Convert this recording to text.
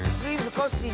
コッシー」